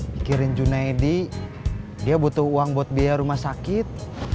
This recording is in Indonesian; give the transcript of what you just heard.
pikirin juna edi dia butuh uang buat biaya rumah sakit